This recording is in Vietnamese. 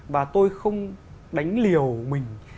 và tôi không đánh liều mình